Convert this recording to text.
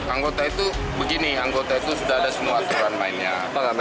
anggota itu begini anggota itu sudah ada semua aturan mainnya